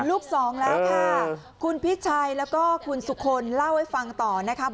ลูกสองแล้วค่ะคุณพิชัยแล้วก็คุณสุคลเล่าให้ฟังต่อนะคะ